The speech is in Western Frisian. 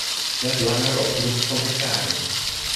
Net langer op grûn fan hektaren.